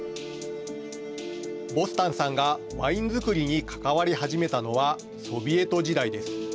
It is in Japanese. ボスタンさんがワイン造りに関わり始めたのはソビエト時代です。